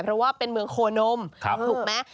เพราะว่าเป็นเมืองโคนมถูกไหม